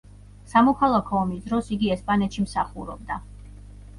სამოქალაქო ომის დროს იგი ესპანეთში მსახურობდა.